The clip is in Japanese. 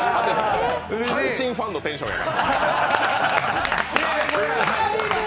阪神ファンのテンションやから。